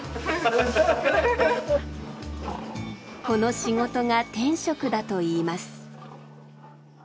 この仕事が天職だといいます。